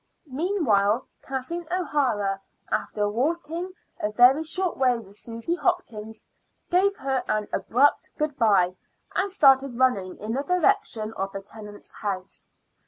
Meanwhile Kathleen O'Hara, after walking a very short way with Susy Hopkins, gave her an abrupt good bye and started running in the direction of the Tennants' house.